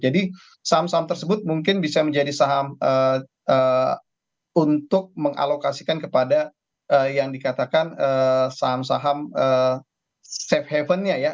jadi saham saham tersebut mungkin bisa menjadi saham untuk mengalokasikan kepada yang dikatakan saham saham safe havennya